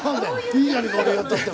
いいじゃねえか俺がやったってお前。